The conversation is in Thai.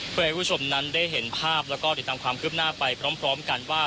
เพื่อให้คุณผู้ชมนั้นได้เห็นภาพแล้วก็ติดตามความคืบหน้าไปพร้อมกันว่า